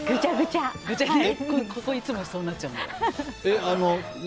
ここ、いつもそうなっちゃうの。